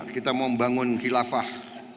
kita membangun khilafah